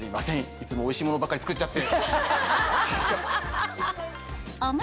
いつもおいしいものばっかり作っちゃって。